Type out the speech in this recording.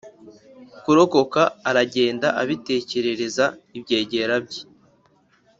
kurokoka aragenda abitekerereza ibyegera bye